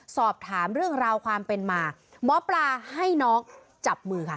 สอบถามเรื่องราวความเป็นมาหมอปลาให้น้องจับมือค่ะ